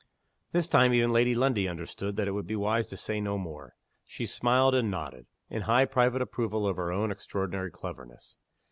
_" This time, even Lady Lundie understood that it would be wise to say no more. She smiled and nodded, in high private approval of her own extraordinary cleverness.